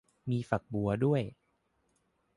มีฝักบัวด้วย